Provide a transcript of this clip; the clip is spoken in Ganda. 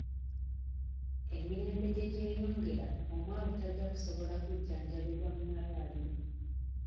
Emirembe gye gyeyongera omwavu tajja kusobola kujjanjabirwa mu malwaliro.